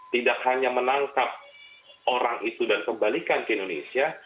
tidak hanya menangkap orang itu dan kembalikan ke indonesia